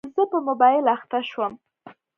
زه په موبایل اخته شوم.